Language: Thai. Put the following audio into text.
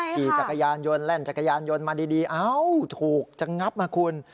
ขี่จักรยานยนต์แล่นจักรยานยนต์มาดีเอ้าถูกจะงับนะคุณ